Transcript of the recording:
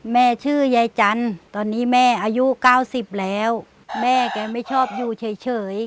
แม่ชื่อยายจันทร์ตอนนี้แม่อายุ๙๐แล้วแม่แกไม่ชอบอยู่เฉย